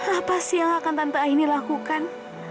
apa sih yang akan tante aini lakukan